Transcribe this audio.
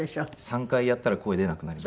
３回やったら声出なくなります。